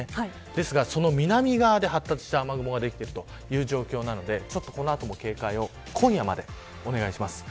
ですが、南側で発達した雨雲ができている状況なのでこの後も警戒を今夜までお願いします。